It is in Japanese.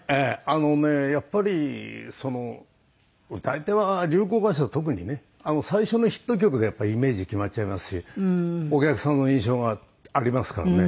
あのねやっぱり歌い手は流行歌手は特にね最初のヒット曲でやっぱりイメージ決まっちゃいますしお客さんの印象がありますからね。